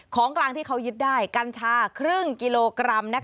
ของกลางที่เขายึดได้กัญชาครึ่งกิโลกรัม